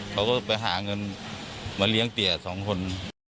เขาก็ไปหาเงินมาเลี้ยงเตี๋ยสองคน